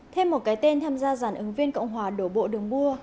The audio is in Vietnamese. thêm một cái tên tham gia giản ứng viên cộng hòa đổ bộ đường mua